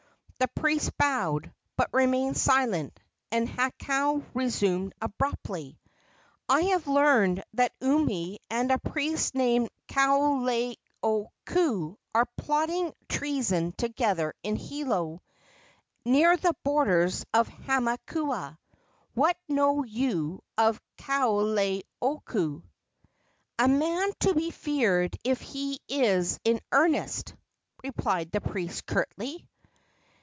The priest bowed, but remained silent, and Hakau resumed abruptly: "I have learned that Umi and a priest named Kaoleioku are plotting treason together in Hilo, near the borders of Hamakua. What know you of Kaoleioku?" "A man to be feared if he is in earnest," replied the priest curtly.